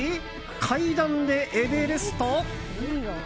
階段でエベレスト？